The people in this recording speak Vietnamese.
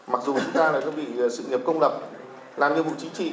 mặc dù chúng ta là công việc sự nghiệp công lập làm nhiệm vụ chính trị